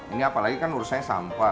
ini apalagi kan urusannya sampah